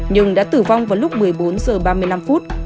nhưng đã tử vong vào lúc một mươi bốn h ba mươi năm phút